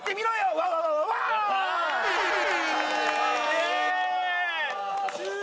イエーイ！